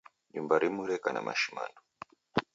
Nyumba rimu reka na mashimandu.